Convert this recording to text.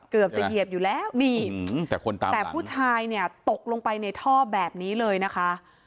เกือบจะเหยียบอยู่แล้วแต่ผู้ชายตกลงไปในท่อแบบนี้เลยนะคะ